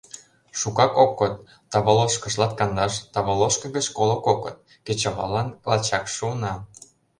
— Шукак ок код: Таволошкыш латкандаш, Таволошка гыч коло кокыт — кечываллан лачак шуына!